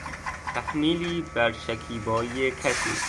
تحمیلی برشکیبایی کسی